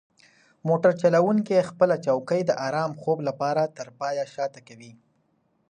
موټر چلونکی خپله چوکۍ د ارام خوب لپاره تر پایه شاته کوي.